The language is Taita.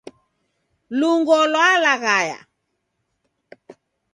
Lungo lwalaghaya.